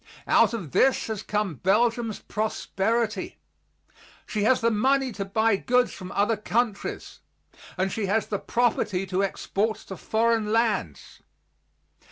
Out of this has come Belgium's prosperity. She has the money to buy goods from other countries, and she has the property to export to foreign lands.